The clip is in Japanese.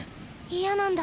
嫌なんだ。